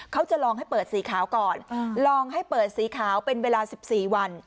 เขาจะลองให้เปิดสีขาวก่อนลองให้เปิดสีขาวเป็นเวลา๑๔วัน